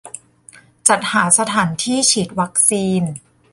-จัดหาสถานที่ฉีดวัคซีน